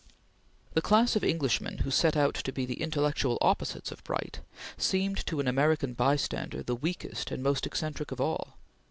The class of Englishmen who set out to be the intellectual opposites of Bright, seemed to an American bystander the weakest and most eccentric of all.